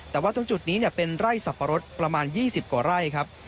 แต่ว่าตรงจุดนี้เป็นไร่สับปะรดประมาณ๒๐กว่าไร่ครับ